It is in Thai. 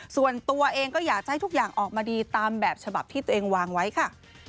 ส่วนตัวเองก็อยากจะให้ทุกอย่างออกมาดีตามแบบฉบับที่ตัวเองวางไว้ค่ะ